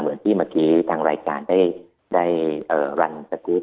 เหมือนที่เมื่อกี้ทางรายการได้รันสกรีต